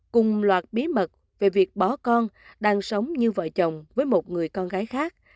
cùng loạt bí mật về việc bó con đang sống như vợ chồng với một người con gái khác